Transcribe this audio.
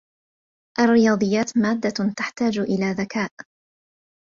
. الرّياضيات مادّة تحتاج إلى ذكاء